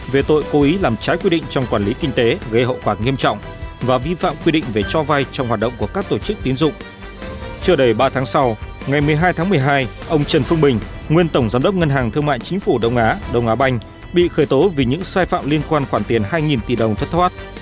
một mươi vụ án cố ý làm trái quyết định của nhà nước về quả nghiêm trọng lợi dụng trực vụ vi phạm quyết định về cho vai trong hoạt động của các tổ chức tiến dụng xảy ra tại ngân hàng công thương việt nam chi nhánh tp hcm